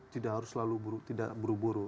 tidak harus selalu tidak buru buru